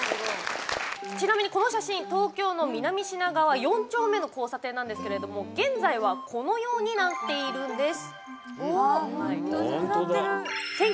ちなみに、この写真東京の南品川四丁目の交差点なんですけれども現在は、このようになっているんです。